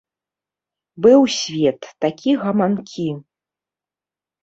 Быў свет такі гаманкі.